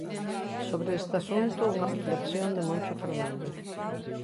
Sobre este asunto unha reflexión de Moncho Fernández.